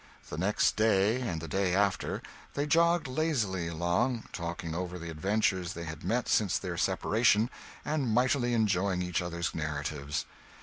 The next day, and the day after, they jogged lazily along talking over the adventures they had met since their separation, and mightily enjoying each other's narratives.